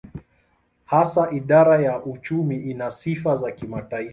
Hasa idara ya uchumi ina sifa za kimataifa.